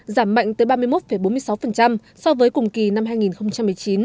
giảm mạnh tới ba mươi một bốn mươi sáu so với cùng kỳ năm hai nghìn một mươi chín